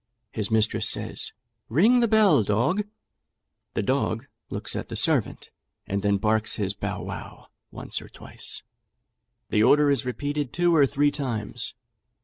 His mistress says, "Ring the bell, dog." The dog looks at the servant, and then barks his bow wow, once or twice. The order is repeated two or three times.